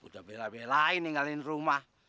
udah bela belain ninggalin rumah